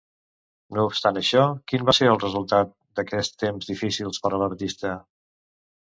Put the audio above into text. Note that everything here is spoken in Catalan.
No obstant això, quin va ser el resultat d'aquests temps difícils per a l'artista?